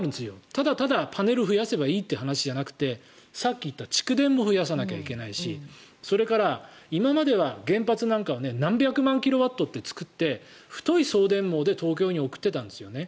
ただただ、パネルを増やせばいいという話ではなくてさっき言った蓄電も増やさなきゃいけないしそれから、今までは原発なんかを何百万キロワットって作って太い送電網で東京に送ってたんですよね。